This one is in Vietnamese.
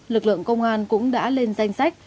lực lượng công an cũng đã lên danh sách